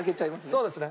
そうですね。